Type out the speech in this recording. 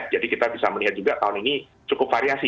jadi kita bisa melihat juga tahun ini cukup variasi